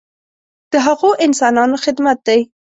د هغو انسانانو خدمت دی.